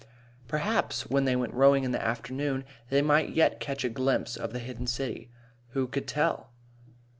Perhaps when they went rowing in the afternoon, they might yet catch a glimpse of the hidden city. Who could tell?